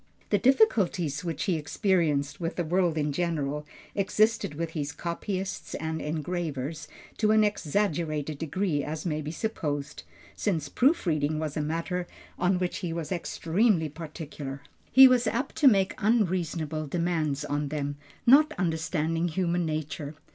The difficulties which he experienced with the world in general existed with his copyists and engravers to an exaggerated degree as may be supposed, since proofreading was a matter on which he was extremely particular. He was apt to make unreasonable demands on them, not understanding human nature.